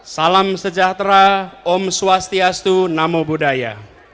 salam sejahtera om swastiastu namo buddhaya